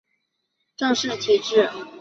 拜占庭帝国并没有皇帝世袭的正式体制。